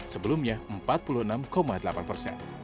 sebelumnya empat puluh enam delapan persen